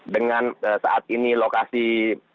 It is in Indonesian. dengan saat ini lokasi yang diperluas